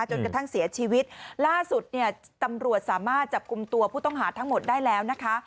จนกระทั่งเสียชีวิตล่าสุดเนี่ยตำรวจสามารถจับกลุ่มตัวผู้ต้องหาทั้งหมดได้แล้วนะคะ